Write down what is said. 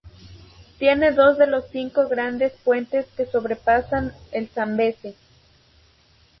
Tiene dos de los cinco grandes puentes que sobrepasan el Zambeze.